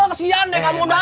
kesian deh kamu dang